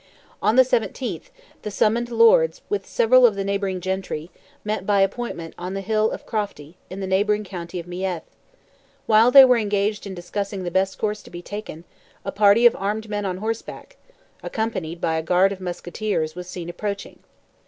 On the 17th, the summoned Lords, with several of the neighbouring gentry, met by appointment on the hill of Crofty, in the neighbouring county of Meath; while they were engaged in discussing the best course to be taken, a party of armed men on horseback, accompanied by a guard of musketeers, was seen approaching.